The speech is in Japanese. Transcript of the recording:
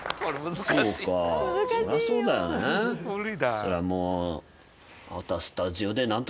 そりゃあもう。